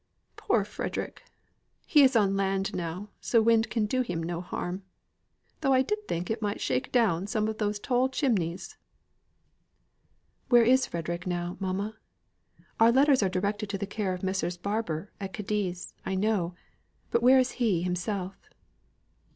Poor Frederick! He is on land now, so wind can do him no harm. Though I did think it might shake down some of those tall chimneys." "Where is Frederick now, mamma? Our letters are directed to the care of Messrs. Barbour, at Cadiz. I know: but where is he himself?"